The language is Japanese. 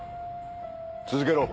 続けろ。